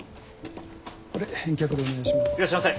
これ返却でお願いします。